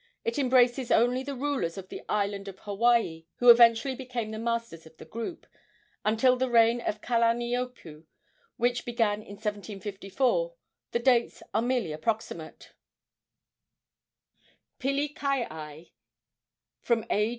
It embraces only the rulers of the island of Hawaii, who eventually became the masters of the group. Until the reign of Kalaniopuu, which began in 1754, the dates are merely approximate: Pilikaeae, from A.